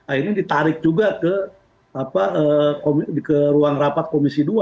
akhirnya ditarik juga ke ruang rapat komisi dua